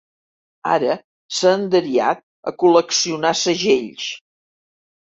Ara s'ha enderiat a col·leccionar segells.